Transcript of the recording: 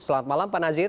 selamat malam pak nazir